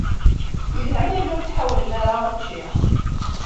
Yelha ma yella ur tḥawlem ara učči.